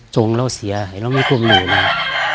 ถึงเราเสียเรากลุ้มหนูมา